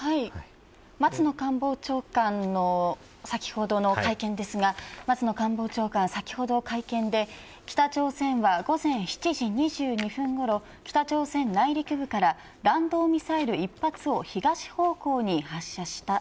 松野官房長官の先ほどの会見ですが松野官房長官は先ほど会見で北朝鮮は午前７時２２分ごろ北朝鮮内陸部から弾道ミサイル１発を東方向に発射した。